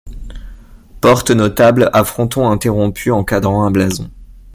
Porte notable, à fronton interrompu encadrant un blason.